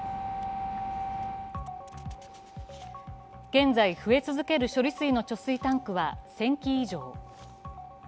現在、増え続ける処理水の貯水タンクは１０００基以上。